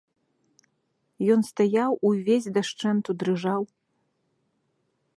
Ён стаяў, увесь дашчэнту дрыжаў.